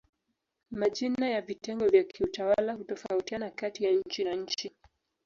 Majina ya vitengo vya kiutawala hutofautiana kati ya nchi na nchi.